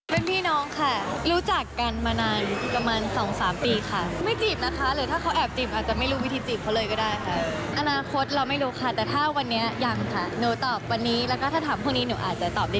เพิ่งรู้แล้วก็ถามอะไรอย่างนี้ค่ะ